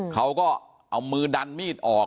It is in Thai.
เขาก็เอามือดันมีดออก